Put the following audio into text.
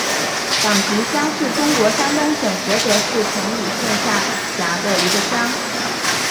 党集乡是中国山东省菏泽市成武县下辖的一个乡。